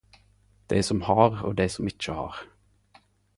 Dei som har og dei som ikkje har.